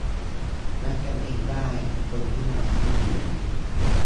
นัดกันเองไง คนยิ่งน้อยยิ่งดี